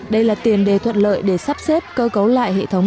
đây là tiền đề thuận lợi để sắp xếp cơ cấu lại hệ thống